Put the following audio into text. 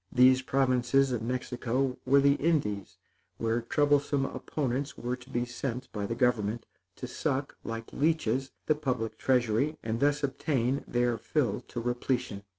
These provinces of Mexico were the Indies where troublesome opponents were to be sent by government, to suck, like leeches, the public treasury, and thus obtain their fill to repletion.